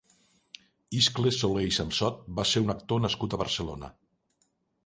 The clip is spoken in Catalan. Iscle Soler i Samsot va ser un actor nascut a Barcelona.